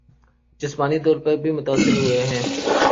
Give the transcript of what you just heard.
جسمانی طور پر بھی متاثر ہوئیں اور